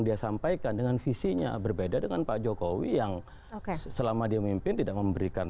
dia sampaikan dengan visinya berbeda dengan pak jokowi yang selama dia memimpin tidak memberikan